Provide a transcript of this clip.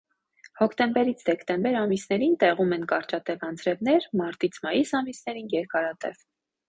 Հոկտեմբերից դեկտեմբեր ամիսներին տեղում են կարճատև անձրևներ, մարտից մայիս ամիսներին՝ երկարատև։